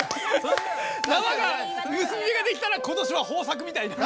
「結び目ができたら今年は豊作」みたいな。